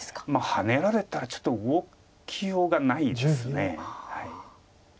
ハネられたらちょっと動きようがないです。